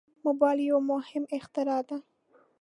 موبایل یو مهم اختراع ده.